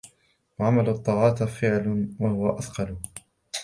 وَعَمَلَ الطَّاعَاتِ فِعْلٌ وَهُوَ أَثْقَلُ